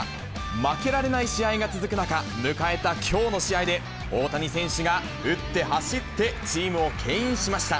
負けられない試合が続く中、迎えたきょうの試合で、大谷選手が打って走ってチームをけん引しました。